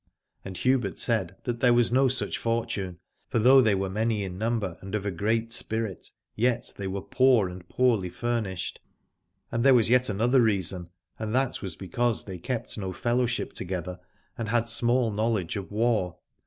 And Hubert said that there was no such fortune : for though they were many in number and of a great spirit, yet they were poor and poorly furnished : and there was yet another reason, and that was because they kept no fellowship together and had small knowledge of war.